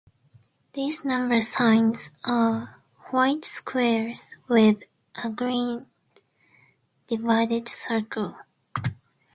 These number signs are white squares, with a green divided circle.